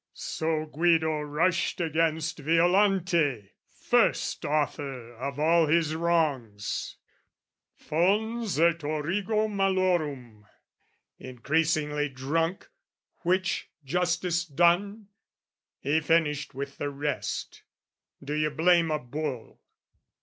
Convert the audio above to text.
So Guido rushed against Violante, first Author of all his wrongs, fons et origo Malorum increasingly drunk, which justice done? He finished with the rest. Do you blame a bull?